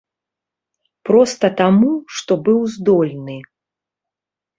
Проста таму, што быў здольны.